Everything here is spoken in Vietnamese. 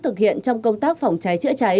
thực hiện trong công tác phòng cháy chữa cháy